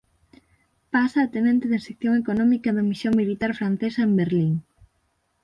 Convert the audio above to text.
Pasa a tenente da sección económica da misión militar francesa en Berlín.